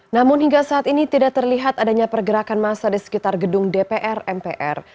namun hingga saat ini tidak terlihat adanya pergerakan masa di sekitar gedung dpr mpr